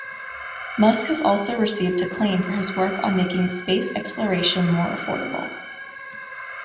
Musk has also received acclaim for his work on making space exploration more affordable.